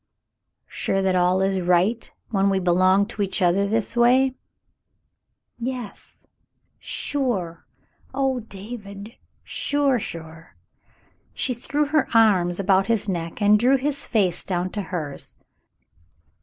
"Sure that all is right when we belong to each other — this way ?" "Yes, sure! Oh, David, sure — sure!" She threw 'her arms about his neck and drew his face down to hers.